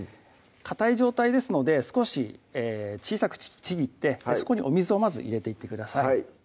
かたい状態ですので少し小さくちぎってそこにお水をまず入れていってください